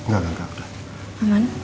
gak gak gak